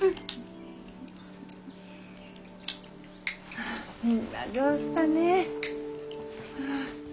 あぁみんな上手だねぇ。